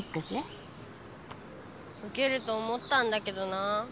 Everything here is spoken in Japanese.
ウケると思ったんだけどな。